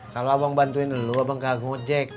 kalau abang bantuin dulu abang gak gojek